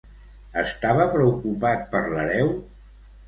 Estava preocupat per l'hereu?